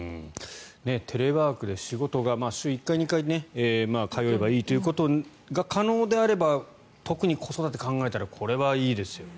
テレワークで仕事が週１回、２回通えばいいということが可能であれば特に子育てを考えたらこれはいいですよね。